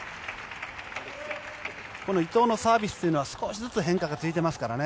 伊藤のサービスというのは少しずつ変化がついていますからね。